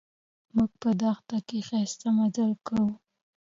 موږ په دښته کې ښایسته مزل کاوه.